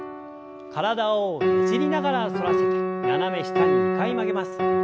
体をねじりながら反らせて斜め下に２回曲げます。